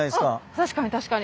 確かに確かに。